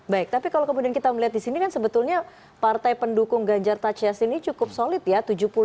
baik tapi kalau kemudian kita melihat di sini kan sebetulnya partai pendukung ganjar tachias ini cukup solid ya